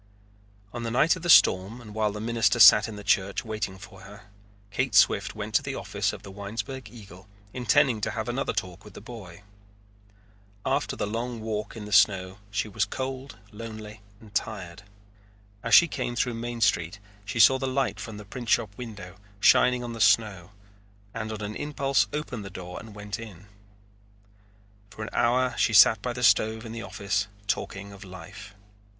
On the night of the storm and while the minister sat in the church waiting for her, Kate Swift went to the office of the Winesburg Eagle, intending to have another talk with the boy. After the long walk in the snow she was cold, lonely, and tired. As she came through Main Street she saw the light from the printshop window shining on the snow and on an impulse opened the door and went in. For an hour she sat by the stove in the office talking of life.